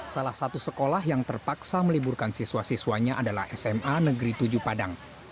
salah satu sekolah yang terpaksa meliburkan siswa siswanya adalah sma negeri tujuh padang